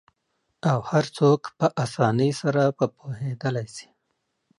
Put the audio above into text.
او هرڅوک په آسانۍ سره په پوهیدالی سي